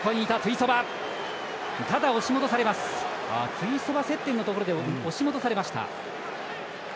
テュイソバ、接点のところで押し戻されました。